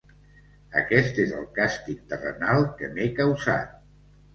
Aquest és el càstig terrenal que m'he causat.